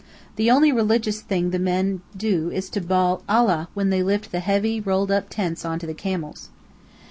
The only religious thing the men do is to bawl "Allah!" when they lift the heavy, rolled up tents onto the camels.